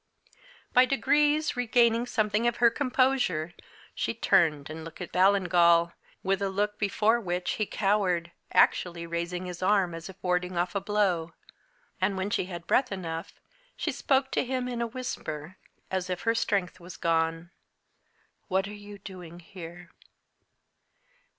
By degrees, regaining something of her composure, she turned and looked at Ballingall, with a look before which he cowered, actually raising his arm as if warding off a blow. And, when she had breath enough, she spoke to him, in a whisper, as if her strength was gone. "What are you doing here?"